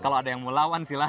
kalau ada yang mau lawan silahkan